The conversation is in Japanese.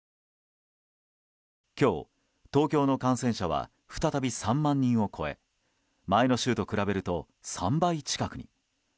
今日、東京の感染者は再び３万人を超え前の週と比べると３倍近くに。